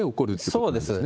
そうです。